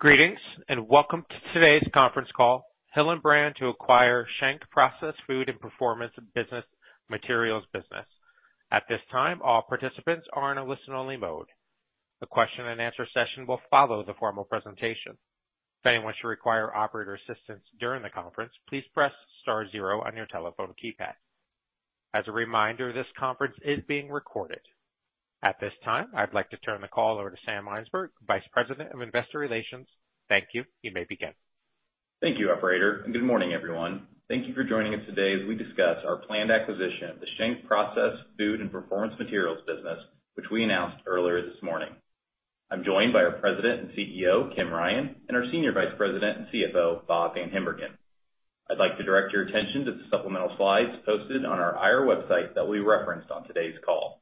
Greetings, welcome to today's conference call: Hillenbrand to acquire Schenck Process Food and Performance Materials business. At this time, all participants are in a listen-only mode. The question and answer session will follow the formal presentation. If anyone should require operator assistance during the conference, please press star zero on your telephone keypad. As a reminder, this conference is being recorded. At this time, I'd like to turn the call over to Sam Mynsberge, Vice President of Investor Relations. Thank you. You may begin. Thank you, operator, and good morning, everyone. Thank you for joining us today as we discuss our planned acquisition of the Schenck Process Food and Performance Materials business, which we announced earlier this morning. I'm joined by our President and CEO, Kim Ryan, and our Senior Vice President and CFO, Bob VanHimbergen. I'd like to direct your attention to the supplemental slides posted on our IR website that we referenced on today's call.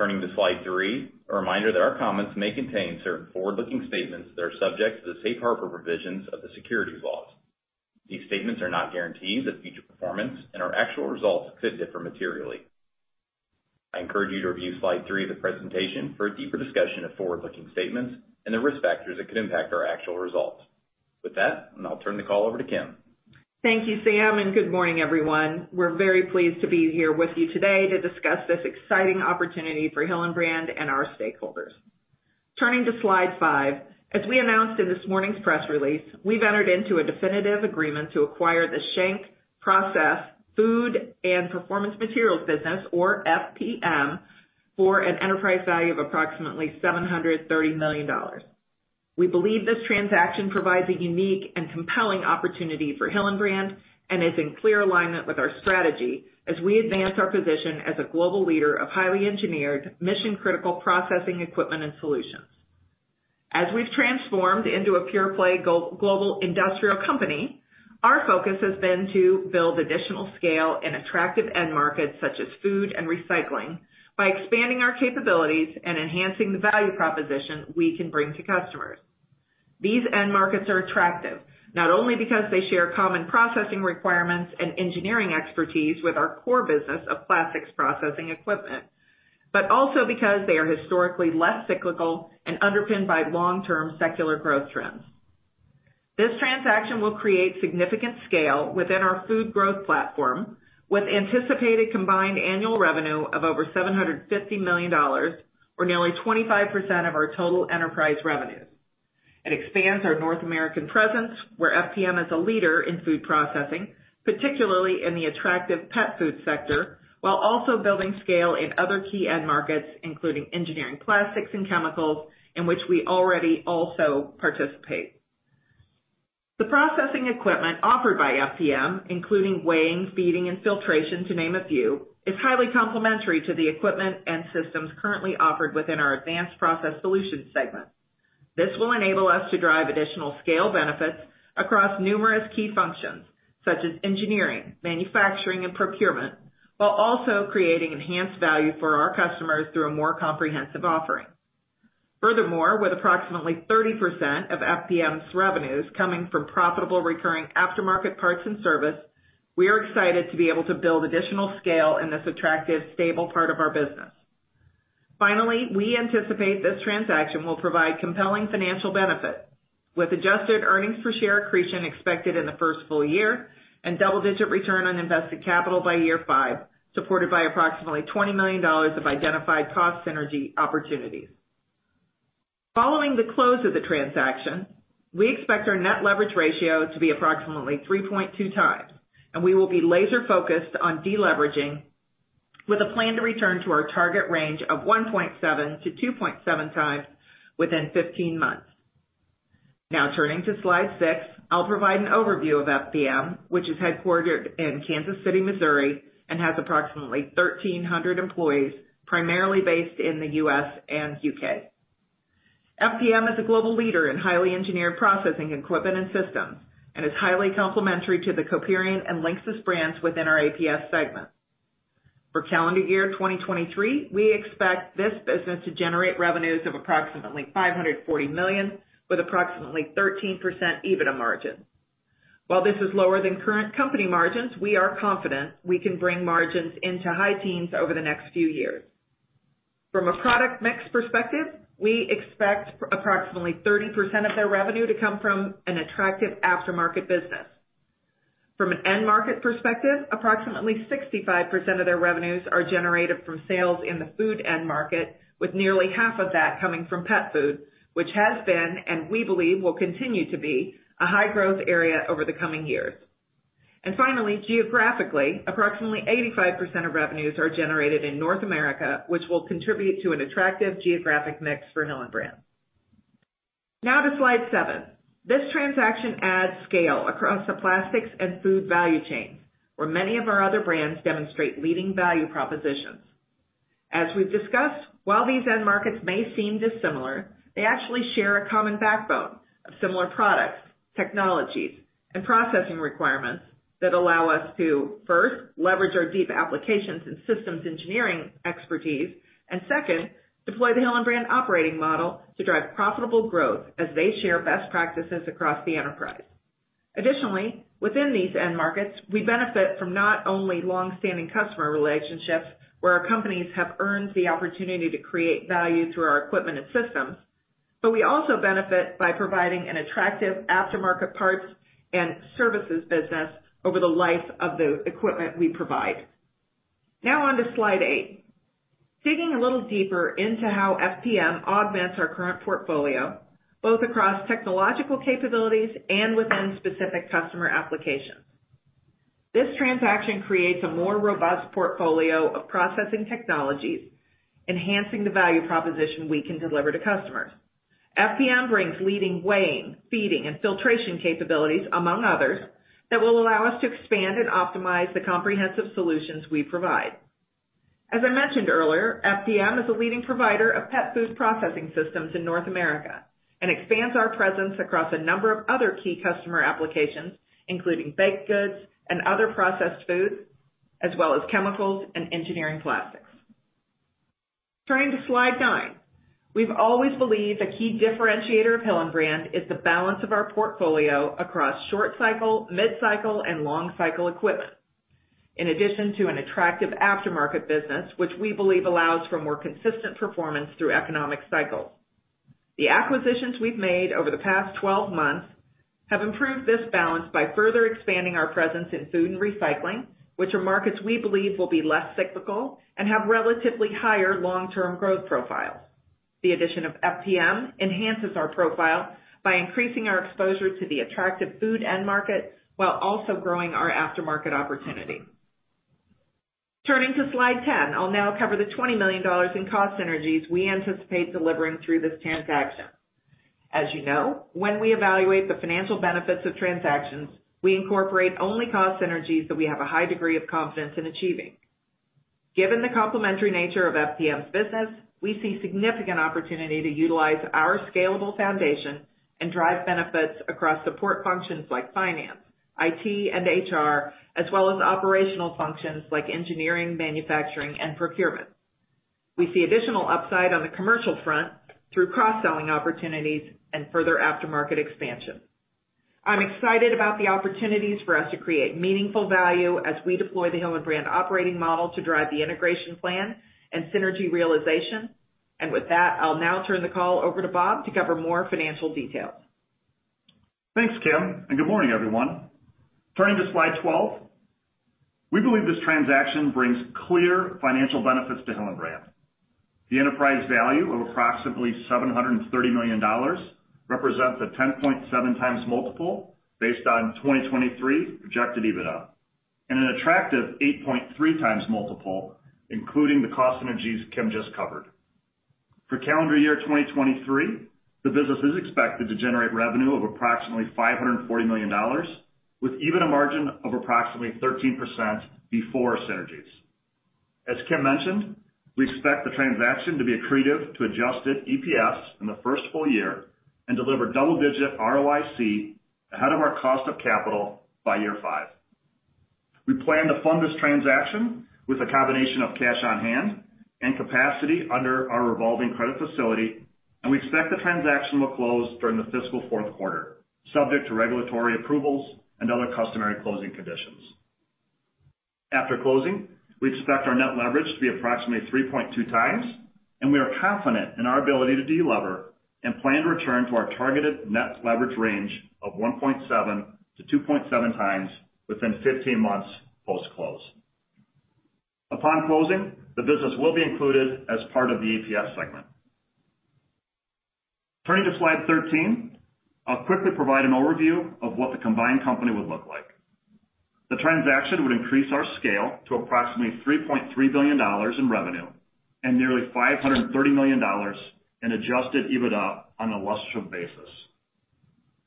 Turning to slide three, a reminder that our comments may contain certain forward-looking statements that are subject to the safe harbor provisions of the securities laws. These statements are not guarantees of future performance and our actual results could differ materially. I encourage you to review slide three of the presentation for a deeper discussion of forward-looking statements and the risk factors that could impact our actual results. With that, I'll turn the call over to Kim. Thank you, Sam, and good morning, everyone. We're very pleased to be here with you today to discuss this exciting opportunity for Hillenbrand and our stakeholders. Turning to slide five. As we announced in this morning's press release, we've entered into a definitive agreement to acquire the Schenck Process Food and Performance Materials business, or FPM, for an enterprise value of approximately $730 million. We believe this transaction provides a unique and compelling opportunity for Hillenbrand and is in clear alignment with our strategy as we advance our position as a global leader of highly engineered mission-critical processing equipment and solutions. As we've transformed into a pure play go-global industrial company, our focus has been to build additional scale in attractive end markets such as food and recycling by expanding our capabilities and enhancing the value proposition we can bring to customers. These end markets are attractive not only because they share common processing requirements and engineering expertise with our core business of plastics processing equipment, but also because they are historically less cyclical and underpinned by long-term secular growth trends. This transaction will create significant scale within our food growth platform, with anticipated combined annual revenue of over $750 million, or nearly 25% of our total enterprise revenue. It expands our North American presence, where FPM is a leader in food processing, particularly in the attractive pet food sector, while also building scale in other key end markets, including engineering, plastics, and chemicals, in which we already also participate. The processing equipment offered by FPM, including weighing, feeding, and filtration, to name a few, is highly complementary to the equipment and systems currently offered within our Advanced Process Solutions segment. This will enable us to drive additional scale benefits across numerous key functions such as engineering, manufacturing, and procurement, while also creating enhanced value for our customers through a more comprehensive offering. Furthermore, with approximately 30% of FPM's revenues coming from profitable recurring aftermarket parts and service, we are excited to be able to build additional scale in this attractive, stable part of our business. Finally, we anticipate this transaction will provide compelling financial benefits with adjusted EPS accretion expected in the first full year and double-digit ROIC by year five, supported by approximately $20 million of identified cost synergy opportunities. Following the close of the transaction, we expect our net leverage ratio to be approximately 3.2x, we will be laser focused on de-leveraging with a plan to return to our target range of 1.7x-2.7x within 15 months. Turning to slide six. I'll provide an overview of FPM, which is headquartered in Kansas City, Missouri, and has approximately 1,300 employees, primarily based in the U.S. and U.K. FPM is a global leader in highly engineered processing equipment and systems and is highly complementary to the Coperion and Linxis brands within our APS segment. For calendar year 2023, we expect this business to generate revenues of approximately $540 million, with approximately 13% EBITDA margin. While this is lower than current company margins, we are confident we can bring margins into high teens over the next few years. From a product mix perspective, we expect approximately 30% of their revenue to come from an attractive aftermarket business. From an end market perspective, approximately 65% of their revenues are generated from sales in the food end market, with nearly half of that coming from pet food, which has been, and we believe will continue to be, a high growth area over the coming years. Finally, geographically, approximately 85% of revenues are generated in North America, which will contribute to an attractive geographic mix for Hillenbrand. Now to slide seven. This transaction adds scale across the plastics and food value chains, where many of our other brands demonstrate leading value propositions. As we've discussed, while these end markets may seem dissimilar, they actually share a common backbone of similar products, technologies, and processing requirements that allow us to, first, leverage our deep applications in systems engineering expertise and second, deploy the Hillenbrand Operating Model to drive profitable growth as they share best practices across the enterprise. Additionally, within these end markets, we benefit from not only long-standing customer relationships where our companies have earned the opportunity to create value through our equipment and systems, but we also benefit by providing an attractive aftermarket parts and services business over the life of the equipment we provide. Now on to slide eight. Digging a little deeper into how FPM augments our current portfolio, both across technological capabilities and within specific customer applications. This transaction creates a more robust portfolio of processing technologies, enhancing the value proposition we can deliver to customers. FPM brings leading weighing, feeding, and filtration capabilities, among others, that will allow us to expand and optimize the comprehensive solutions we provide. As I mentioned earlier, FPM is a leading provider of pet food processing systems in North America and expands our presence across a number of other key customer applications, including baked goods and other processed foods, as well as chemicals and engineering plastics. Turning to slide nine. We've always believed a key differentiator of Hillenbrand is the balance of our portfolio across short cycle, mid-cycle, and long cycle equipment, in addition to an attractive aftermarket business which we believe allows for more consistent performance through economic cycles. The acquisitions we've made over the past 12 months have improved this balance by further expanding our presence in food and recycling, which are markets we believe will be less cyclical and have relatively higher long-term growth profiles. The addition of FPM enhances our profile by increasing our exposure to the attractive food end market while also growing our aftermarket opportunity. Turning to slide 10. I'll now cover the $20 million in cost synergies we anticipate delivering through this transaction. As you know, when we evaluate the financial benefits of transactions, we incorporate only cost synergies that we have a high degree of confidence in achieving. Given the complementary nature of FPM's business, we see significant opportunity to utilize our scalable foundation and drive benefits across support functions like finance, IT, and HR, as well as operational functions like engineering, manufacturing, and procurement. We see additional upside on the commercial front through cross-selling opportunities and further aftermarket expansion. I'm excited about the opportunities for us to create meaningful value as we deploy the Hillenbrand Operating Model to drive the integration plan and synergy realization. With that, I'll now turn the call over to Bob to cover more financial details. Thanks, Kim, good morning, everyone. Turning to slide 12. We believe this transaction brings clear financial benefits to Hillenbrand. The enterprise value of approximately $730 million represents a 10.7x multiple based on 2023 projected EBITDA in an attractive 8.3x multiple, including the cost synergies Kim just covered. For calendar year 2023, the business is expected to generate revenue of approximately $540 million with EBITDA margin of approximately 13% before synergies. As Kim mentioned, we expect the transaction to be accretive to adjusted EPS in the first full year and deliver double-digit ROIC ahead of our cost of capital by year five. We plan to fund this transaction with a combination of cash on hand and capacity under our revolving credit facility, and we expect the transaction will close during the fiscal fourth quarter, subject to regulatory approvals and other customary closing conditions. After closing, we expect our net leverage to be approximately 3.2x, and we are confident in our ability to de-lever and plan to return to our targeted net leverage range of 1.7x-2.7x within 15 months post-close. Upon closing, the business will be included as part of the APS segment. Turning to slide 13. I'll quickly provide an overview of what the combined company would look like. The transaction would increase our scale to approximately $3.3 billion in revenue and nearly $530 million in adjusted EBITDA on an illustrative basis.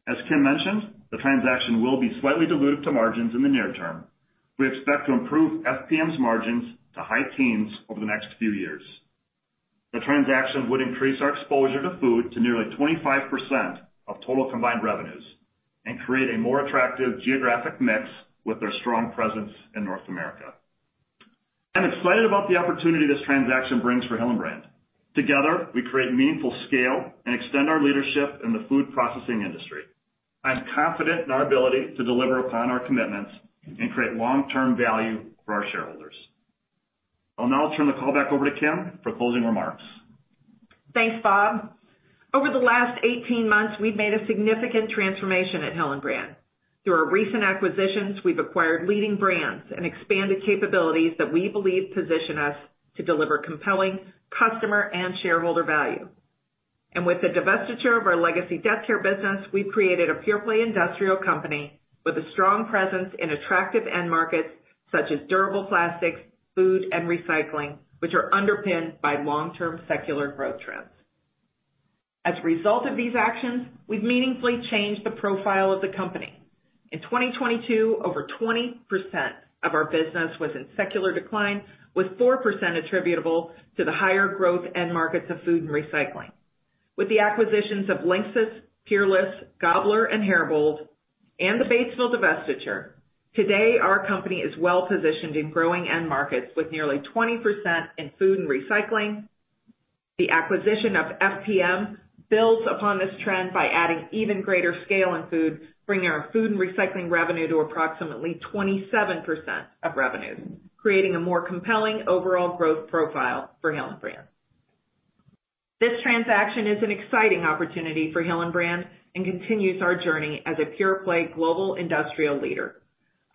As Kim mentioned, the transaction will be slightly dilutive to margins in the near term. We expect to improve FPM's margins to high teens over the next few years. The transaction would increase our exposure to food to nearly 25% of total combined revenues and create a more attractive geographic mix with their strong presence in North America. I'm excited about the opportunity this transaction brings for Hillenbrand. Together, we create meaningful scale and extend our leadership in the food processing industry. I'm confident in our ability to deliver upon our commitments and create long-term value for our shareholders. I'll now turn the call back over to Kim for closing remarks. Thanks, Bob. Over the last 18 months, we've made a significant transformation at Hillenbrand. Through our recent acquisitions, we've acquired leading brands and expanded capabilities that we believe position us to deliver compelling customer and shareholder value. With the divestiture of our legacy death care industry, we've created a pure-play industrial company with a strong presence in attractive end markets such as durable plastics, food, and recycling, which are underpinned by long-term secular growth trends. As a result of these actions, we've meaningfully changed the profile of the company. In 2022, over 20% of our business was in secular decline, with 4% attributable to the higher growth end markets of food and recycling. With the acquisitions of Linxis, Peerless, Gabler, and Herbold and the Batesville divestiture, today, our company is well-positioned in growing end markets with nearly 20% in food and recycling. The acquisition of FPM builds upon this trend by adding even greater scale in food, bringing our food and recycling revenue to approximately 27% of revenue, creating a more compelling overall growth profile for Hillenbrand. This transaction is an exciting opportunity for Hillenbrand and continues our journey as a pure-play global industrial leader.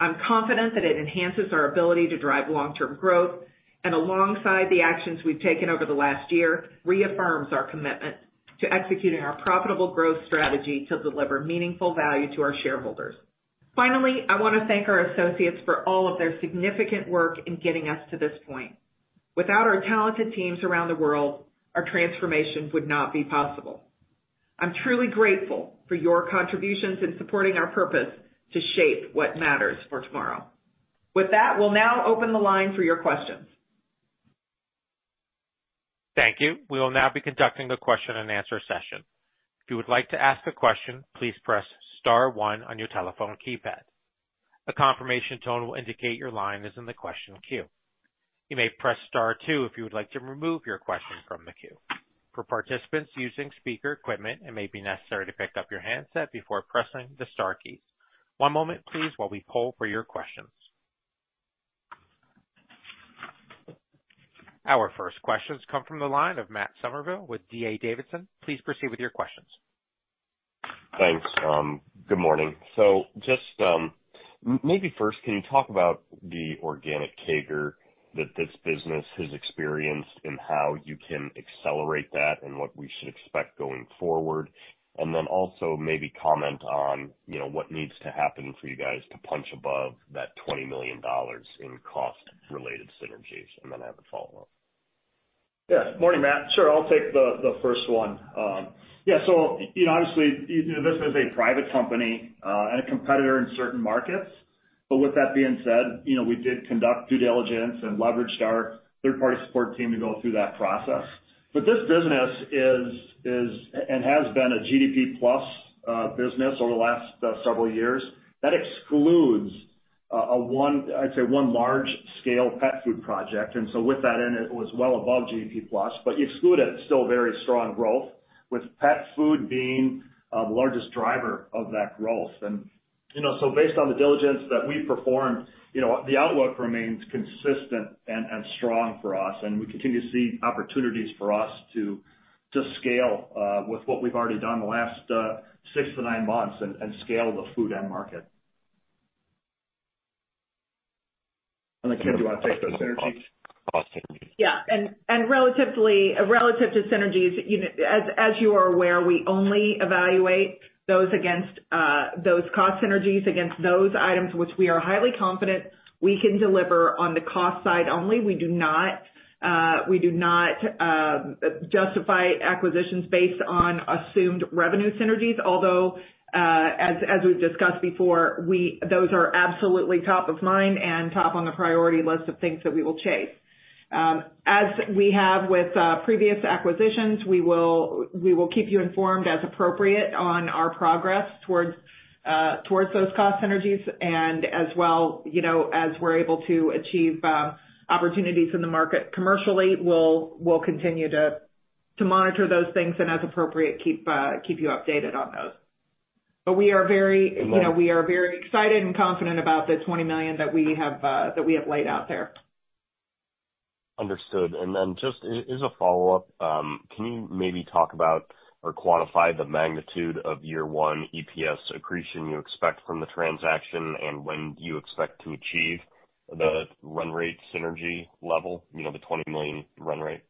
I'm confident that it enhances our ability to drive long-term growth and alongside the actions we've taken over the last year, reaffirms our commitment to executing our profitable growth strategy to deliver meaningful value to our shareholders. I wanna thank our associates for all of their significant work in getting us to this point. Without our talented teams around the world, our transformation would not be possible. I'm truly grateful for your contributions in supporting our purpose to shape what matters for tomorrow. With that, we'll now open the line for your questions. Thank you. We will now be conducting the question and answer session. If you would like to ask a question, please press star one on your telephone keypad. A confirmation tone will indicate your line is in the question queue. You may press star two if you would like to remove your question from the queue. For participants using speaker equipment, it may be necessary to pick up your handset before pressing the star keys. One moment, please, while we poll for your questions. Our first questions come from the line of Matt Summerville with D.A. Davidson. Please proceed with your questions. Thanks. Good morning. Just maybe first, can you talk about the organic CAGR that this business has experienced and how you can accelerate that and what we should expect going forward? Also maybe comment on, you know, what needs to happen for you guys to punch above that $20 million in cost related synergies. I have a follow-up. Yeah. Morning, Matt. Sure. I'll take the first one. You know, obviously, you know, this is a private company, and a competitor in certain markets. With that being said, you know, we did conduct due diligence and leveraged our third-party support team to go through that process. This business is and has been a GDP plus business over the last several years. That excludes a one large scale pet food project. With that in, it was well above GDP plus, but you exclude it's still very strong growth, with pet food being the largest driver of that growth. You know, based on the diligence that we performed, you know, the outlook remains consistent and strong for us, and we continue to see opportunities for us to scale, with what we've already done in the last six to nine months and scale the food end market. Kim, do you wanna take those synergies? Cost synergies. Yeah. Relative to synergies, you know, as you are aware, we only evaluate those against those cost synergies against those items which we are highly confident we can deliver on the cost side only. We do not justify acquisitions based on assumed revenue synergies, although, as we've discussed before, those are absolutely top of mind and top on the priority list of things that we will chase. As we have with previous acquisitions, we will keep you informed as appropriate on our progress towards those cost synergies. As well, you know, as we're able to achieve opportunities in the market commercially, we'll continue to monitor those things and as appropriate, keep you updated on those. We are very, you know, we are very excited and confident about the $20 million that we have that we have laid out there. Understood. Then just as a follow-up, can you maybe talk about or quantify the magnitude of year one EPS accretion you expect from the transaction and when you expect to achieve the run rate synergy level, you know, the $20 million run rate?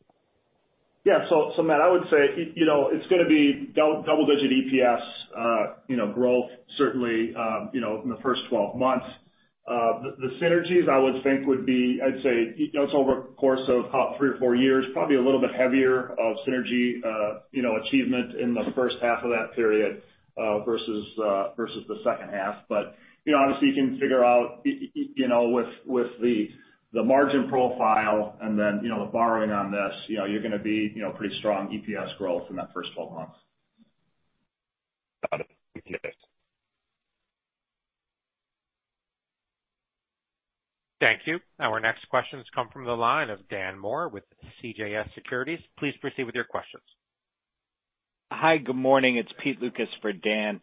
Yeah. Matt, I would say, you know, it's gonna be double-digit EPS, you know, growth certainly, you know, in the first 12 months. The synergies I would think would be, I'd say, you know, it's over a course of about three or four years, probably a little bit heavier of synergy, you know, achievement in the first half of that period, versus the second half. You know, obviously, you can figure out, you know, with the margin profile and then, you know, the borrowing on this, you know, you're gonna be, you know, pretty strong EPS growth in that first 12 months. Got it. Thank you. Our next questions come from the line of Dan Moore with CJS Securities. Please proceed with your questions. Hi. Good morning. It's Pete Lucas for Dan.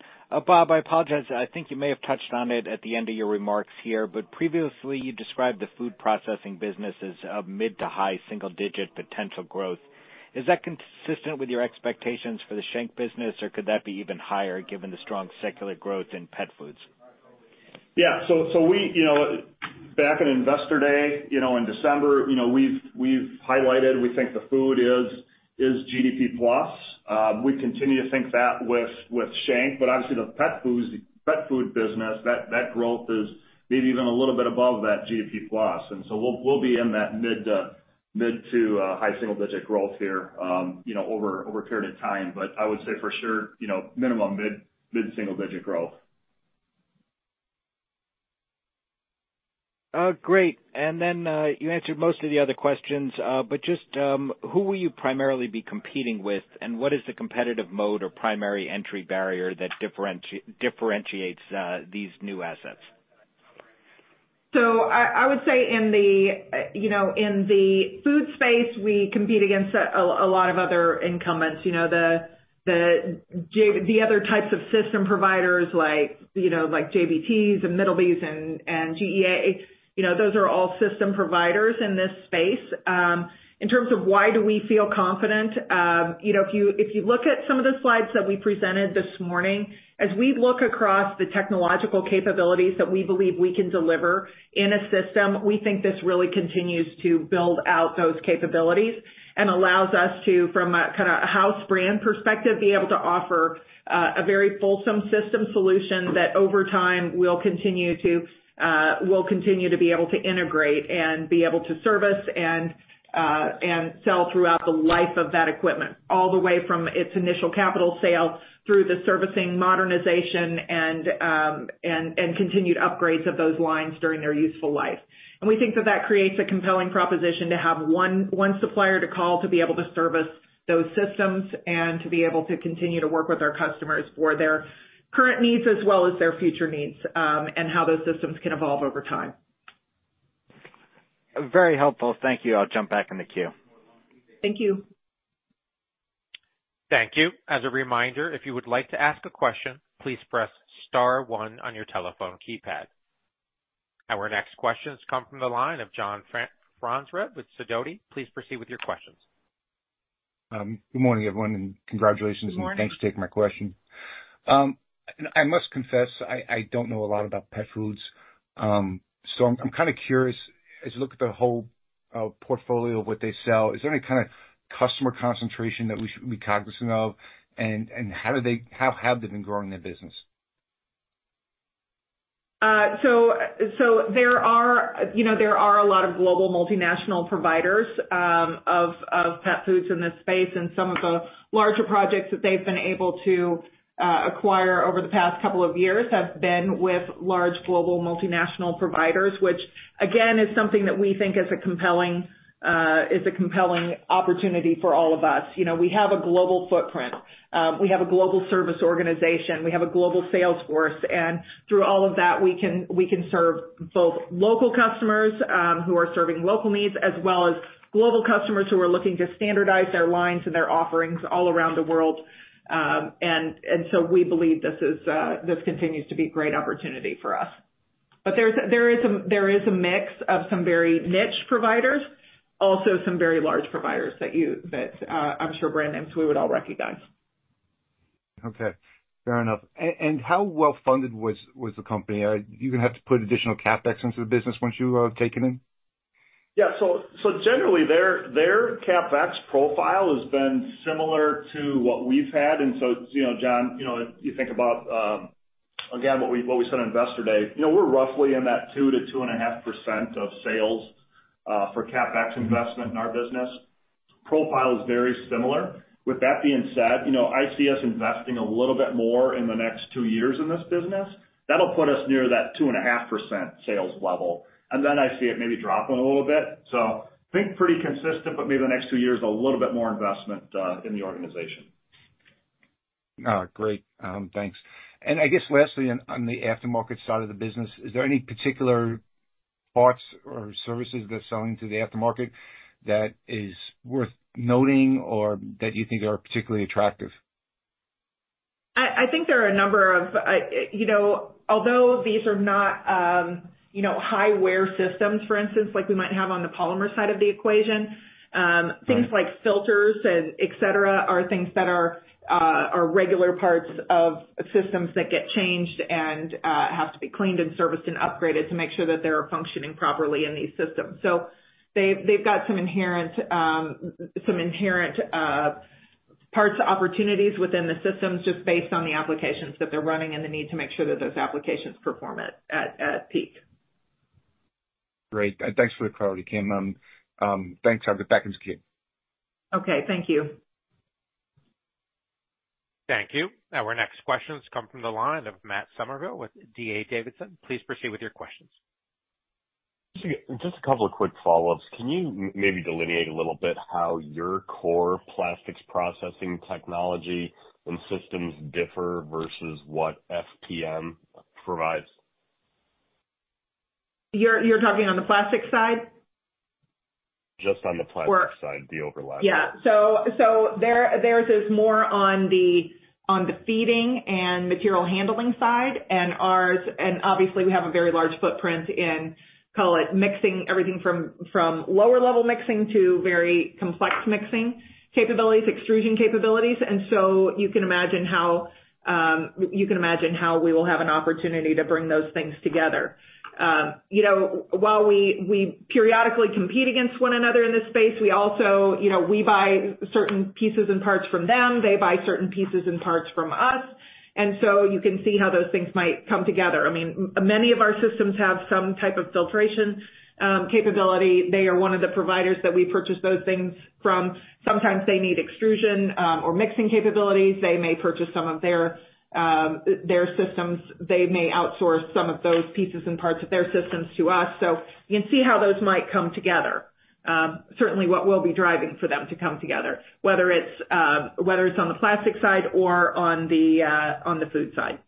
Bob, I apologize, I think you may have touched on it at the end of your remarks here, but previously you described the food processing business as a mid to high single-digit potential growth. Is that consistent with your expectations for the Schenck business, or could that be even higher given the strong secular growth in pet foods? Yeah. We, you know, back in Investor Day, you know, in December, you know, we've highlighted, we think the food is GDP plus. We continue to think that with Schenck, but obviously the pet foods, pet food business, that growth is maybe even a little bit above that GDP plus. We'll be in that mid to high single digit growth here, you know, over a period of time. I would say for sure, you know, minimum mid single digit growth. Great. You answered most of the other questions. Just, who will you primarily be competing with and what is the competitive mode or primary entry barrier that differentiates, these new assets? I would say in the, you know, in the food space, we compete against a lot of other incumbents, you know, the other types of system providers like, you know, like JBT and Middleby and GEA, you know, those are all system providers in this space. In terms of why do we feel confident, you know, if you, if you look at some of the slides that we presented this morning, as we look across the technological capabilities that we believe we can deliver in a system, we think this really continues to build out those capabilities and allows us to, from a kinda house brand perspective, be able to offer a very fulsome system solution that over time will continue to be able to integrate and be able to service and sell throughout the life of that equipment, all the way from its initial capital sale through the servicing, modernization and continued upgrades of those lines during their useful life. We think that that creates a compelling proposition to have one supplier to call to be able to service those systems and to be able to continue to work with our customers for their current needs as well as their future needs, and how those systems can evolve over time. Very helpful. Thank you. I'll jump back in the queue. Thank you. Thank you. As a reminder, if you would like to ask a question, please press star one on your telephone keypad. Our next question has come from the line of John Franzreb with Sidoti. Please proceed with your questions. Good morning, everyone. Good morning. Thanks for taking my question. I must confess, I don't know a lot about pet foods. I'm kinda curious, as you look at the whole portfolio of what they sell, is there any kind of customer concentration that we should be cognizant of? How have they been growing their business? There are, you know, there are a lot of global multinational providers, of pet foods in this space, and some of the larger projects that they've been able to acquire over the past couple of years have been with large global multinational providers, which again is something that we think is a compelling, is a compelling opportunity for all of us. You know, we have a global footprint. We have a global service organization. We have a global sales force. Through all of that, we can serve both local customers, who are serving local needs, as well as global customers who are looking to standardize their lines and their offerings all around the world. We believe this is, this continues to be a great opportunity for us. There is a mix of some very niche providers, also some very large providers that I'm sure brand names we would all recognize. Okay, fair enough. How well-funded was the company? Are you gonna have to put additional CapEx into the business once you take it in? Yeah. Generally, their CapEx profile has been similar to what we've had. You know, John, you know, if you think about, again, what we, what we said on Investor Day, you know, we're roughly in that 2% to 2.5% of sales, for CapEx investment in our business. Profile is very similar. With that being said, you know, I see us investing a little bit more in the next two years in this business. That'll put us near that 2.5% sales level. Then I see it maybe dropping a little bit. I think pretty consistent, but maybe the next two years, a little bit more investment, in the organization. Great. Thanks. I guess lastly, on the aftermarket side of the business, is there any particular parts or services they're selling to the aftermarket that is worth noting or that you think are particularly attractive? I think there are a number of, you know, although these are not, you know, high wear systems, for instance, like we might have on the polymer side of the equation, things like filters and et cetera, are things that are regular parts of systems that get changed and have to be cleaned and serviced and upgraded to make sure that they're functioning properly in these systems. They've got some inherent, some inherent, parts opportunities within the systems just based on the applications that they're running and the need to make sure that those applications perform at peak. Great. Thanks for the clarity, Kim. Thanks. I'll get back in the queue. Okay. Thank you. Thank you. Our next question has come from the line of Matthew Summerville with D.A. Davidson. Please proceed with your questions. Just a couple of quick follow-ups. Can you maybe delineate a little bit how your core plastics processing technology and systems differ versus what FPM provides? You're talking on the plastics side? Just on the plastics side, the overlap. Yeah. Their, theirs is more on the, on the feeding and material handling side and ours-- Obviously we have a very large footprint in, call it mixing everything from lower level mixing to very complex mixing capabilities, extrusion capabilities. You can imagine how, you can imagine how we will have an opportunity to bring those things together. You know, while we periodically compete against one another in this space, we also, you know, we buy certain pieces and parts from them. They buy certain pieces and parts from us. You can see how those things might come together. I mean, many of our systems have some type of filtration, capability. They are one of the providers that we purchase those things from. Sometimes they need extrusion, or mixing capabilities. They may purchase some of their systems. They may outsource some of those pieces and parts of their systems to us. You can see how those might come together. Certainly what we'll be driving for them to come together, whether it's on the plastic side or on the food side.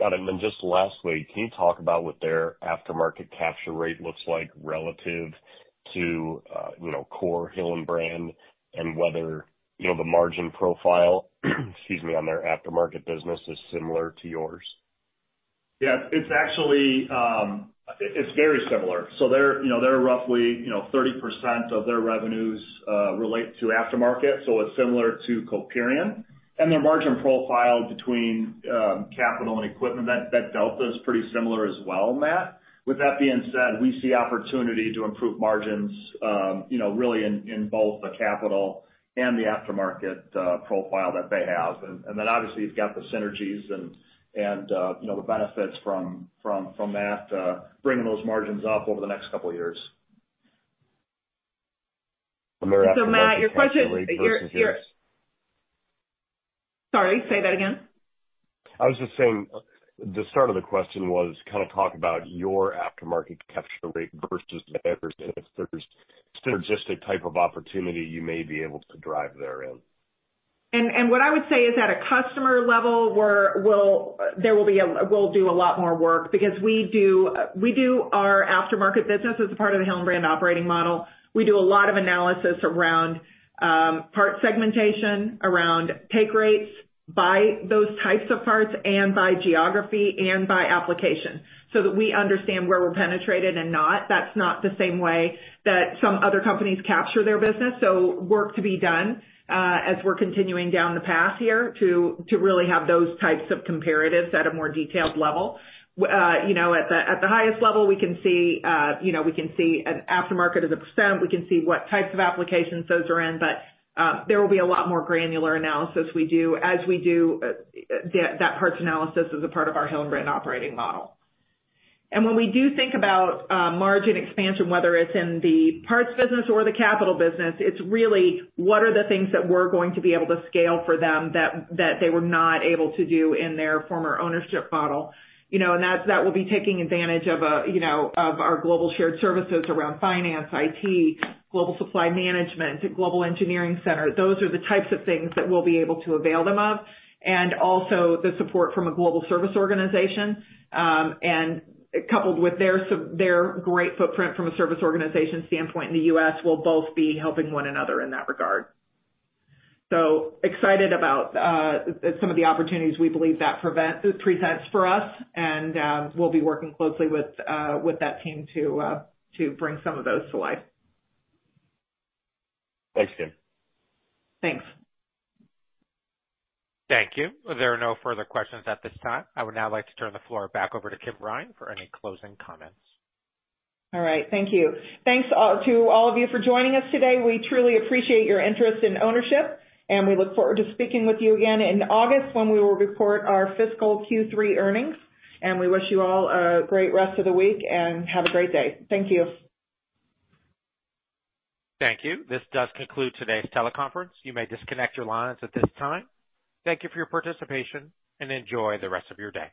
Got it. Just lastly, can you talk about what their aftermarket capture rate looks like relative to, you know, core Hillenbrand and whether, you know, the margin profile, excuse me, on their aftermarket business is similar to yours? Yeah, it's actually, it's very similar. They're, you know, they're roughly, you know, 30% of their revenues relate to aftermarket, so it's similar to Coperion. Their margin profile between capital and equipment, that delta is pretty similar as well, Matt. With that being said, we see opportunity to improve margins, you know, really in both the capital and the aftermarket profile that they have. Then obviously you've got the synergies and, you know, the benefits from that bringing those margins up over the next couple of years. I'm wondering. Matt, your question. Sorry, say that again? I was just saying the start of the question was kind of talk about your aftermarket capture rate versus theirs, and if there's synergistic type of opportunity you may be able to drive therein. What I would say is at a customer level, we'll do a lot more work because we do our aftermarket business as a part of the Hillenbrand Operating Model. We do a lot of analysis around part segmentation, around take rates by those types of parts and by geography and by application, so that we understand where we're penetrated and not. That's not the same way that some other companies capture their business. Work to be done as we're continuing down the path here to really have those types of comparatives at a more detailed level. You know, at the highest level, we can see, you know, an aftermarket as a %. We can see what types of applications those are in. There will be a lot more granular analysis we do as we do, that parts analysis as a part of our Hillenbrand Operating Model. When we do think about margin expansion, whether it's in the parts business or the capital business, it's really what are the things that we're going to be able to scale for them that they were not able to do in their former ownership model, you know. That will be taking advantage of, you know, of our global shared services around finance, IT, global supply management, global engineering center. Those are the types of things that we'll be able to avail them of, and also the support from a global service organization. Coupled with their great footprint from a service organization standpoint in the U.S., we'll both be helping one another in that regard. Excited about some of the opportunities we believe that presents for us. We'll be working closely with that team to bring some of those to life. Thanks, Kim. Thanks. Thank you. There are no further questions at this time. I would now like to turn the floor back over to Kim Ryan for any closing comments. All right. Thank you. Thanks to all of you for joining us today. We truly appreciate your interest in ownership, and we look forward to speaking with you again in August when we will report our fiscal Q3 earnings. We wish you all a great rest of the week, and have a great day. Thank you. Thank you. This does conclude today's teleconference. You may disconnect your lines at this time. Thank you for your participation, and enjoy the rest of your day.